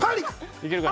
いけるか？